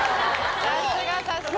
さすがさすが。